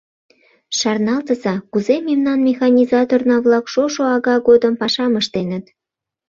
Шарналтыза, кузе мемнан механизаторна-влак шошо ага годым пашам ыштеныт.